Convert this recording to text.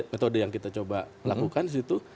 metode yang kita coba lakukan disitu